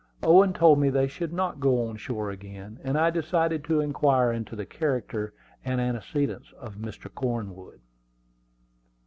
Owen told me they should not go on shore again, and I decided to inquire into the character and antecedents of Mr. Cornwood.